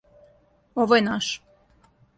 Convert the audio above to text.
Ово је наш.